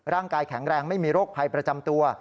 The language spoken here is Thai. ร่างกายแข็งแรงไม่มีโรคภัยประจำตัว